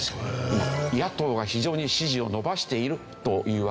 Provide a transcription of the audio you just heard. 今野党が非常に支持を伸ばしているというわけですね。